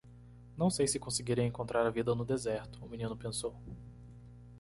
Não sei se conseguirei encontrar a vida no deserto? o menino pensou.